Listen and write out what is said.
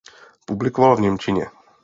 Publikoval v němčině.